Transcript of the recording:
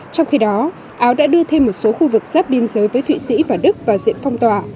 trong khi đó áo đã đưa thêm một số khu vực sắp biên giới với thụy sĩ và đức và diễn phong tỏa